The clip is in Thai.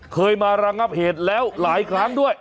เคยมาระงับเหตุแล้วหลายครั้งด้วย